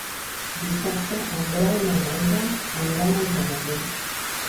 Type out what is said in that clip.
Dissabte en Grau i na Neida aniran a Algemesí.